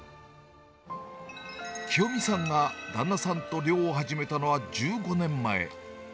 きよみさんが旦那さんと寮を始めたのは、１５年前。